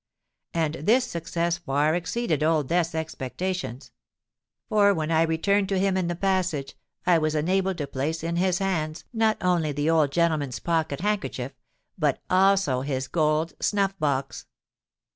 And this success far exceeded Old Death's expectations; for when I returned to him in the passage, I was enabled to place in his hands not only the old gentleman's pocket handkerchief, but also his gold snuff box.